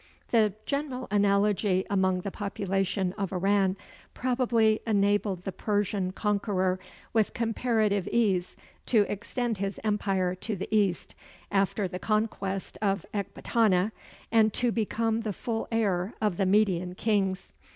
The general analogy among the population of Iran probably enabled the Persian conqueror with comparative ease to extend his empire to the east, after the conquest of Ekbatana, and to become the full heir of the Median kings.